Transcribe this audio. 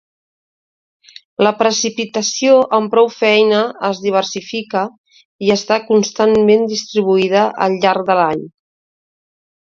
La precipitació amb prou feina es diversifica i està constantment distribuïda al llarg de l'any.